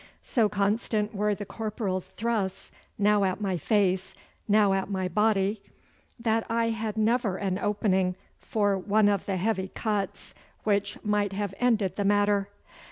So constant were the corporal's thrusts, now at my face, now at my body, that I had never an opening for one of the heavy cuts which might have ended the matter.